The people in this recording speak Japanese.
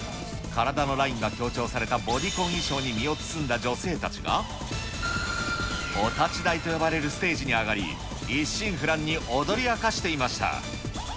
体のラインが強調されたボディコン衣装に身を包んだ女性たちが、お立ち台と呼ばれるステージに上がり、一心不乱に踊り明かしていました。